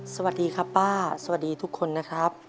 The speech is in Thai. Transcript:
สวัสดีครับป้าสวัสดีทุกคนนะครับ